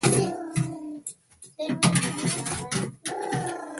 کبان په اوبو کې ژوند کوي